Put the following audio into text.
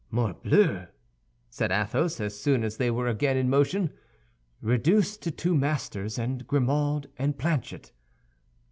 "Morbleu," said Athos, as soon as they were again in motion, "reduced to two masters and Grimaud and Planchet!